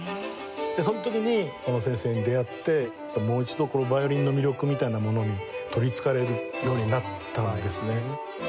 その時に小野先生に出会ってもう一度ヴァイオリンの魅力みたいなものに取り憑かれるようになったんですね。